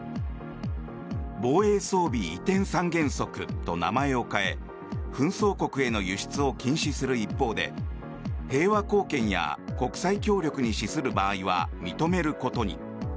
防衛装備移転三原則と名前を変え紛争国への輸出を禁止する一方で平和貢献や国際協力に資する場合は認めることに。